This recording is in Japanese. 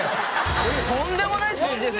とんでもない数字ですよ